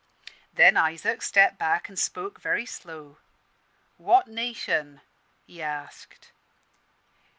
"Then Isaac stepped back, and spoke very slow 'What nation?' he asked.